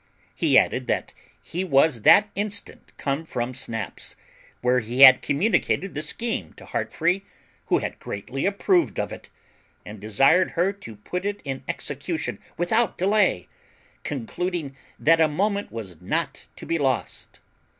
He added that he was that instant come from Snap's, where he had communicated the scheme to Heartfree, who had greatly approved of it, and desired her to put it in execution without delay, concluding that a moment was not to be lost.